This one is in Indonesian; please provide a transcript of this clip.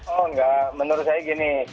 oh enggak menurut saya gini